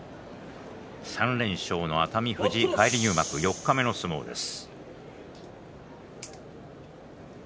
３連勝の熱海富士返り入幕四日目の相撲です。